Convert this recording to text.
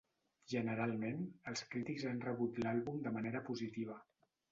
Generalment, els crítics han rebut l'àlbum de manera positiva.